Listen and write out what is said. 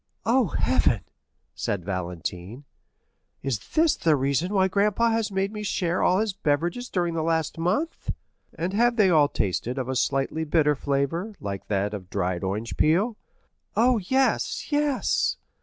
"Oh, Heaven," said Valentine; "is this the reason why grandpapa has made me share all his beverages during the last month?" "And have they all tasted of a slightly bitter flavor, like that of dried orange peel?" "Oh, yes, yes!"